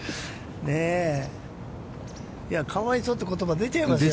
かわいそうという言葉が出ちゃいますよ。